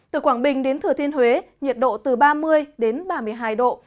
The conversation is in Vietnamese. từ quảng bình đến thừa thiên huế nhiệt độ từ ba mươi đến ba mươi hai độ